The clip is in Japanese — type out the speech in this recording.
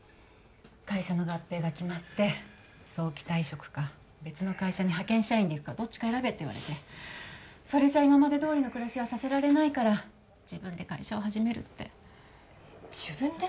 会社の合併が決まって早期退職か別の会社に派遣社員で行くかどっちか選べって言われてそれじゃ今までどおりの暮らしはさせられないから自分で会社を始めるって自分で？